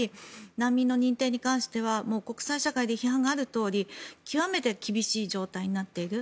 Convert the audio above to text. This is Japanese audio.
難民の認定に関しては国際社会で批判があるとおり極めて厳しい状態になっている。